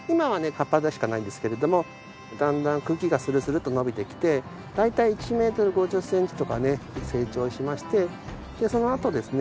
葉っぱだけしかないんですけれどもだんだん茎がスルスルッと伸びてきて大体１メートル５０センチとかね成長しましてそのあとですね